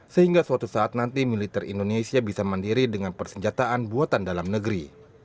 sehingga suatu saat nanti militer indonesia bisa mandiri dengan persenjataan buatan dalam negeri